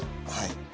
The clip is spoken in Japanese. はい。